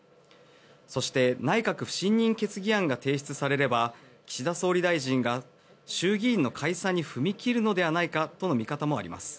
そして内閣不信任決議案が提出されれば岸田総理大臣が衆議院の解散に踏み切るのではないかとの見方もあります。